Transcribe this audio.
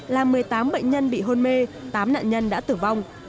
làm một mươi tám bệnh nhân bị hôn mê tám nạn nhân đã tử vong